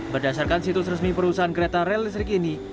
berdasarkan situs resmi perusahaan kereta rel listrik ini